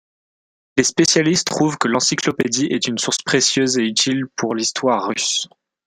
Les spécialistes trouvent que l'encyclopédie est une source précieuse et utile pour l'histoire russe.